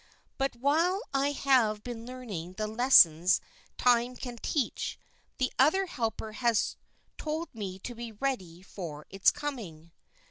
But while I have been learning the lessons time can teach, that other helper has told me to be ready for its coming.